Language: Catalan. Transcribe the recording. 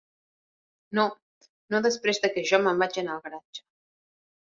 No, no després de que jo me'n vaig anar del garatge.